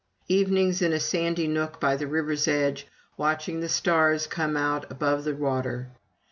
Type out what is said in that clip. Evenings in a sandy nook by the river's edge, watching the stars come out above the water.